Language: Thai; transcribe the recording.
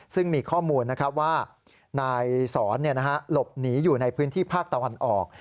ซึ่งมีข้อมูลว่านายสอนหลบหนีอยู่ในพื้นที่ภาคตะวันออก